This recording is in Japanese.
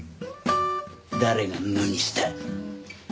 誰が無にした？